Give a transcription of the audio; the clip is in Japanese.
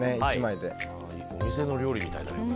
お店の料理みたいだね。